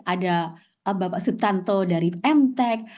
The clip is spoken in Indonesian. ada bapak sutanto dari m tech